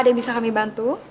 ada yang bisa kami bantu